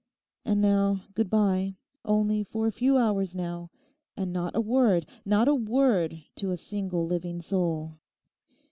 And now goodbye; only for a few hours now. And not a word, not a word to a single living soul.